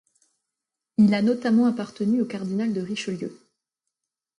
Il a notamment appartenu au cardinal de Richelieu.